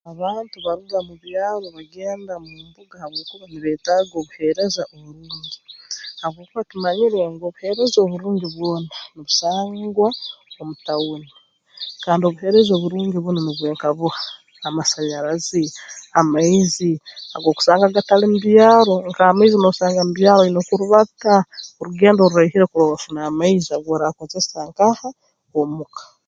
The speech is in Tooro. Abantu baruga mu byaro bagenda mu mbuga habwokuba nibeetaaga obuheereza burungi habwokuba tumanyire ngu obuheereza oburungi bwona nibusangwa omu tauni kandi obuheereza oburungi bunu nubwe nka buha amasanyarazi amaizi ag'okusanga gatali mu byaro nk'amaizi n'osanga mu byaro oina kurubata orugendo oruraihire kurora wafuna amaizi og'oraakozesa nkaha omu ka